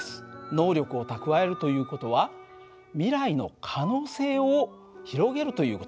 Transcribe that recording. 能力を蓄えるという事は未来の可能性を広げるという事なんですね。